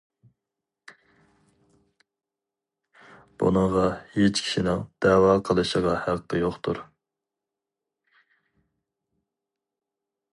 بۇنىڭغا ھېچ كىشىنىڭ دەۋا قىلىشىغا ھەققى يوقتۇر.